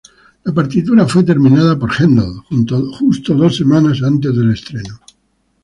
La partitura fue terminada por Händel justo dos semanas antes del estreno.